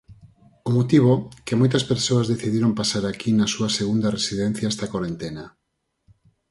O motivo, que moitas persoas decidiron pasar aquí na súa segunda residencia esta corentena.